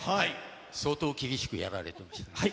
相当厳しくやられてましたね。